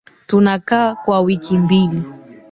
Tunakaa kwa wiki mbili.